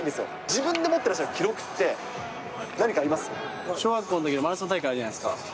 自分で持ってらっしゃる記録って、何かあります？小学校のときのマラソン大会あるじゃないですか。